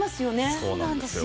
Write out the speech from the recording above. そうなんですよ。